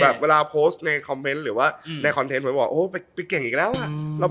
หาแลนคือใครวะ